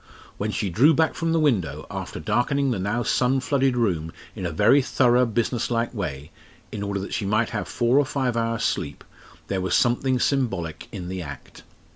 When she drew back from the window, after darkening the now sun flooded room in a very thorough business like way, in order that she might have four or five hours' sleep, there was something symbolic in the act.